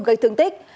gây thương tích